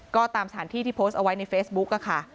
ก็ตามสถานที่ที่โพสต์เอาไว้ในเฟซบุ๊กค่ะ